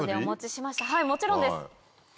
はいもちろんです。